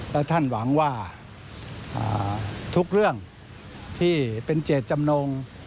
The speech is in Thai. และท่านหวังว่าทุกเรื่องที่เป็นเจตจำนง